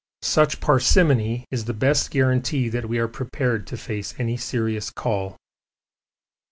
Such parsimony is the best guarantee that we are prepared to face any serious call.